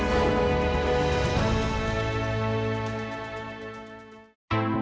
seolah olah jepang jakarta